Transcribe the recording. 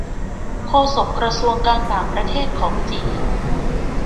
โฆษกกระทรวงการต่างประเทศของจีน